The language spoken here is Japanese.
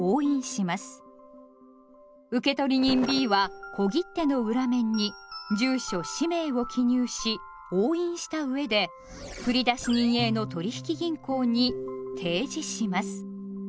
受取人Ｂは小切手の裏面に住所氏名を記入し押印したうえで振出人Ａの取引銀行に「呈示」します。